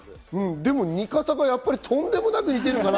でも似方がとんでもなく似てるから。